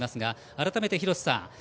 改めて、廣瀬さん